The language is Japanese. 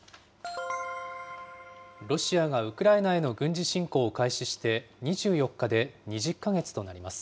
ロシアがウクライナへの軍事侵攻を開始して、２４日で２０か月となります。